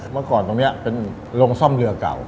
เมื่อก่อนตรงนี้เป็นโรงซ่อมเรือเก่า